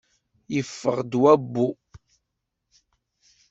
Yeffeɣ-d wabbu.